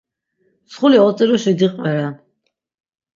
Mtsxuli otziluşi diqveren.